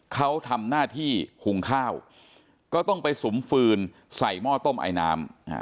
เขาทำหน้าที่หุงข้าวก็ต้องไปสุมฟืนใส่หม้อต้มไอน้ำ